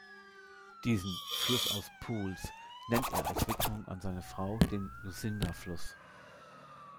Diesen „Fluss aus Pools“ nennt er als Widmung an seine Frau den „Lucinda Fluss“.